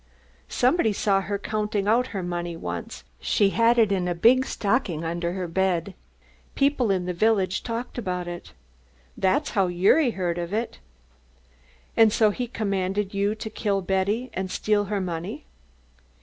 Somebody saw her counting out her money once, she had it in a big stocking under her bed. People in the village talked about it. That's how Gyuri heard of it." "And so he commanded you to kill Betty and steal her money?"